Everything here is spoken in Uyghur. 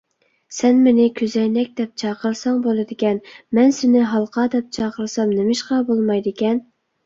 سەن مېنى «كۆزەينەك» دەپ چاقىرساڭ بولىدىكەن، مەن سېنى «ھالقا» دەپ چاقىرسام نېمىشقا بولمايدىكەن؟